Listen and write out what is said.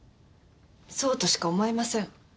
そうとしか思えません。